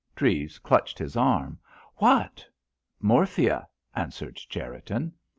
Treves clutched his arm. "What?" "Morphia," answered Cherriton.